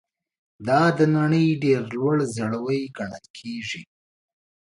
دا د نړۍ ډېر لوړ ځړوی ګڼل کیږي.